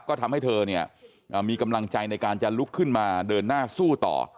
ก็ทำให้เธอเนี่ยมีกำลังใจในการจะลุกขึ้นมาเดินหน้าสู้ต่อ